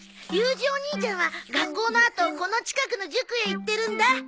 ユージお兄ちゃんは学校のあとこの近くの塾へ行ってるんだ。